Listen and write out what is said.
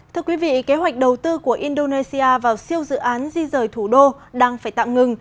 thưa quý vị kế hoạch đầu tư của indonesia vào siêu dự án di rời thủ đô đang phải tạm ngừng